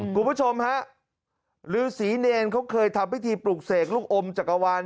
คุณผู้ชมฮะฤษีเนรเขาเคยทำพิธีปลุกเสกลูกอมจักรวาล